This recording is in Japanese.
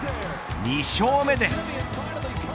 ２勝目です。